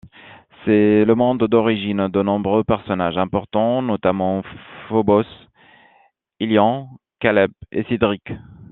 C'est le monde d'origine de nombreux personnages importants, notamment Phobos, Elyon, Caleb et Cédric.